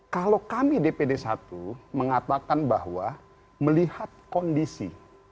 kalau kami dpd satu mengatakan bahwa melihat kondisi